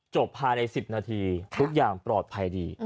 ภายใน๑๐นาทีทุกอย่างปลอดภัยดี